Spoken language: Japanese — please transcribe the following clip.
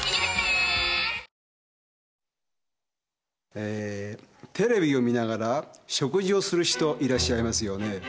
えーテレビを見ながら食事をする人いらっしゃいますよね。